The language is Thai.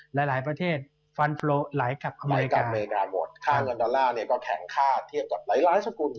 หลายหลายประเทศฟันโปรไหลกลับเข้ามากับอเมริกาหมดค่าเงินดอลลาร์เนี่ยก็แข็งค่าเทียบกับหลายหลายสกุล